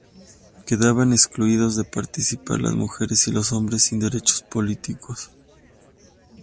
Quedaban excluidos de participar las mujeres y los hombres sin derechos políticos.